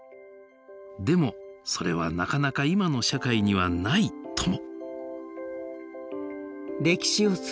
「でもそれはなかなか今の社会にはない」とも。